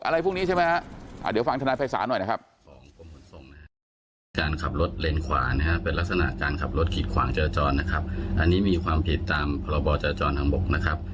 อะไรพวกนี้ใช่ไหมฮะเดี๋ยวฟังธนาภัยสารหน่อยนะครับ